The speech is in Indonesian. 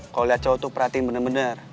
kalau liat cowok tuh perhatiin bener bener